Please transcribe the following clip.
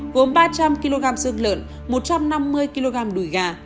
gồm ba trăm linh kg xương lợn một trăm năm mươi kg đùi gà